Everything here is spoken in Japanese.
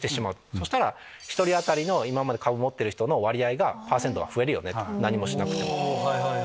そしたら１人当たりの今まで株持ってる人の割合がパーセントが増える何もしなくても。